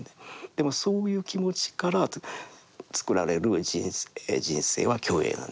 でもそういう気持ちからつくられる人生は虚栄なんですね。